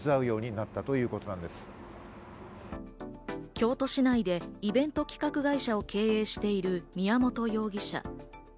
京都市内でイベント企画会社を経営している宮本容疑者。